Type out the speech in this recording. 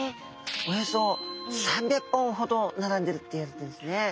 およそ３００本ほど並んでるっていわれているんですね。